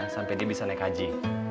sampai dia bisa naik haji